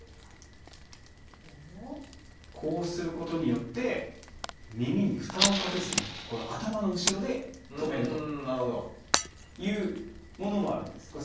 こうすることによって耳に負担をかけずに頭の後ろで留めるというものもあるんです。